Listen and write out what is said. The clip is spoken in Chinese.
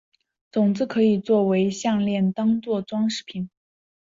种子可以作成项炼当作装饰品。